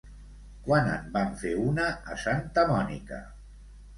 Quan en va fer una a Santa Mònica?